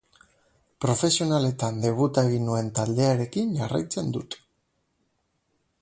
Profesionaletan debuta egin nuen taldearekin jarraitzen dut.